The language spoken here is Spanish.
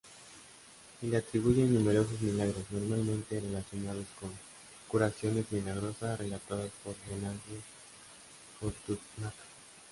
Se le atribuyen numerosos milagros, normalmente relacionados con curaciones milagrosas relatadas por Venancio Fortunato.